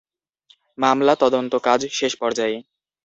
মামলা তদন্তকাজ শেষ পর্যায়ে।